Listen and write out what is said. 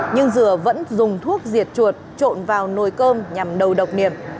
nhưng dừa vẫn dùng thuốc diệt chuột trộn vào nồi cơm nhằm đầu độc niệm